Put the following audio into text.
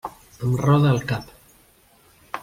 Em roda el cap.